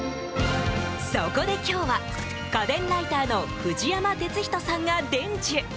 そこで今日は、家電ライターの藤山哲人さんが伝授！